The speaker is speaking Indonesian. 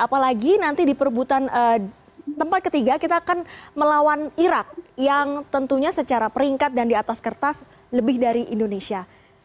apalagi nanti di perebutan tempat ketiga kita akan melawan irak yang tentunya secara peringkat dan di atas kertas lebih dari indonesia